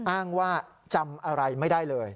อ้างว่าจำอะไรไม่ได้เลย